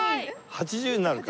８０になるか。